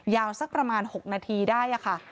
สักประมาณ๖นาทีได้ค่ะ